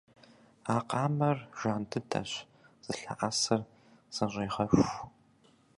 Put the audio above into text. А къамэр жан дыдэщ, зылъэӀэсыр зэщӀегъэху.